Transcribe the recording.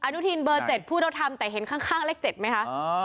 อนุทีนเบอร์๗ผู้โดรธรรมแต่เห็นข้างเลข๗ไหมคะ